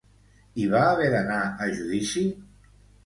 I va haver d'anar a judici?